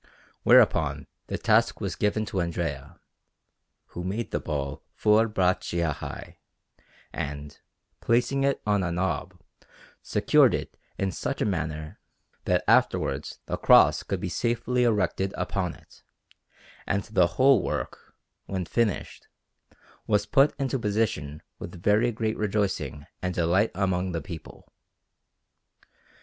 Whereupon the task was given to Andrea, who made the ball four braccia high, and, placing it on a knob, secured it in such a manner that afterwards the cross could be safely erected upon it; and the whole work, when finished, was put into position with very great rejoicing and delight among the people.